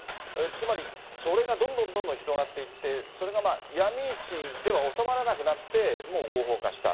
つまりそれがどんどんどんどん広がっていって、それが闇市で収まらなくなって、もう合法化した。